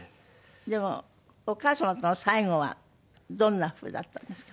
でもお母様との最後はどんなふうだったんですか？